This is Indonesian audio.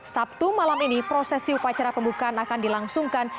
sabtu malam ini prosesi upacara pembukaan akan dilangsungkan